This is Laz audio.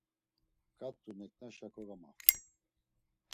Ǩat̆u neǩnaşa kogamaxtu.